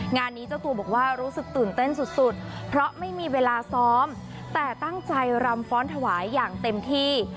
งานนี้เจ้าตัวบอกว่ารู้สึกตื่นเต้นสุดเพราะไม่มีเวลาซ้อมแต่ตั้งใจรำฟ้อนถวายอย่างเต็มที่